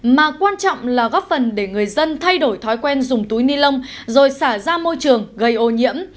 mà quan trọng là góp phần để người dân thay đổi thói quen dùng túi ni lông rồi xả ra môi trường gây ô nhiễm